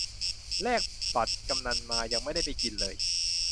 แลกบัตรกำนัลมา ยังไม่ได้ไปกินเลย